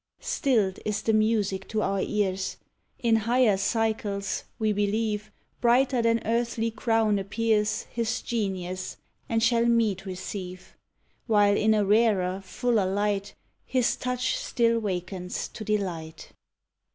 Stilled is the music to our ears. In higher cycles, we believe, Brighter than earthly crown appears His genius, and shall meed receive: While in a rarer, fuller light, His touch still wakens to delight.